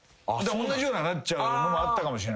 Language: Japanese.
おんなじようななっちゃうのもあったかもしれない。